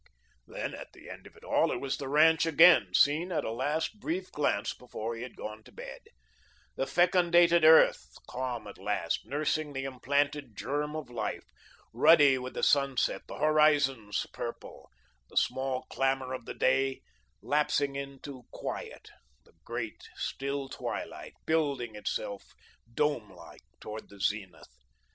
Then, at the end of all, it was the ranch again, seen in a last brief glance before he had gone to bed; the fecundated earth, calm at last, nursing the emplanted germ of life, ruddy with the sunset, the horizons purple, the small clamour of the day lapsing into quiet, the great, still twilight, building itself, dome like, toward the zenith.